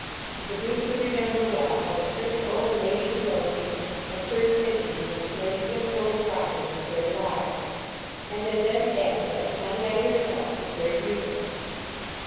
The Duke could remember well how a certain old Lady Midlothian had first hinted to him that Lady Glencora's property was very large, and had then added that the young lady herself was very beautiful.